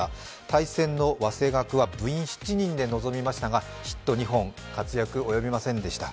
対戦のわせがくは部員７人で臨みましたがヒット２本、活躍及びませんでした。